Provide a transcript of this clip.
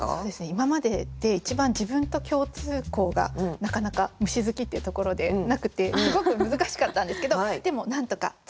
今までで一番自分と共通項がなかなか虫好きっていうところでなくてすごく難しかったんですけどでもなんとか作ってきました。